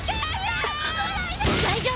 大丈夫。